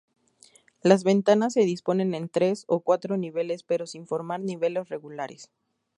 Las ventanas se disponen en tres o cuatro niveles pero sin formar niveles regulares.